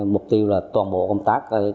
mục tiêu là toàn bộ công tác